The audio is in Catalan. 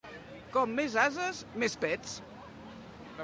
Com més ases, més pets.